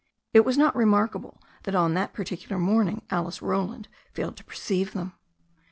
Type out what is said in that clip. It was not remarkable that on that particular morning Alice Roland failed to perceive them.